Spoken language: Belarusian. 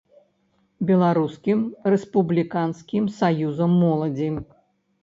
Беларускім рэспубліканскім саюзам моладзі.